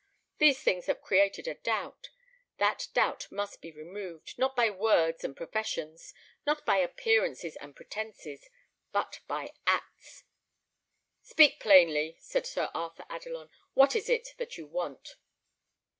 These things have created a doubt. That doubt must be removed, not by words and professions, not by appearances and pretences, but by acts." "Speak plainly," said Sir Arthur Adelon. "What is it that you want?"